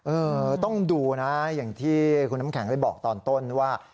เออต้องดูนะอย่างที่คุณน้ำแข็งได้บอกตอนต้นว่า